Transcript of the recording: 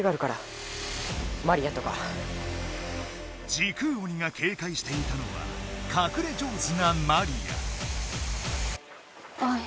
時空鬼がけいかいしていたのはかくれ上手なマリア。